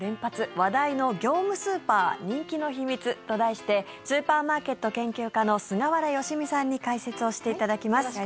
話題の業務スーパー人気の秘密と題してスーパーマーケット研究家の菅原佳己さんに解説をしていただきます。